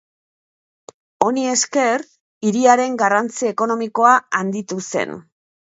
Honi esker, hiriaren garrantzi ekonomikoa handitu zen.